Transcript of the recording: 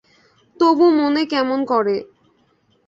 তবু মনে কেমন করে!